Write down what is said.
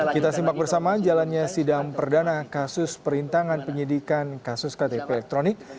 kita simak bersama jalannya sidang perdana kasus perintangan penyidikan kasus ktp elektronik